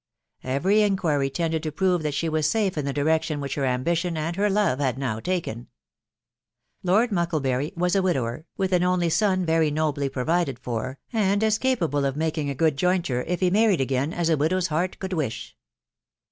Every inquiry tended to prow that she was safe in the direction which her ambition and her love had now taken. Lord Mucklebury was a widower, via an only son very nobly provided for, and as capable of makng a good jointure, if he married again, as a widow's heart audi wish.